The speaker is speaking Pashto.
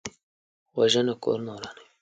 وژنه کورونه ورانوي